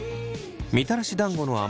みたらし団子のあ